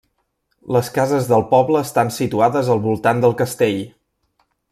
Les cases del poble estan situades al voltant del castell.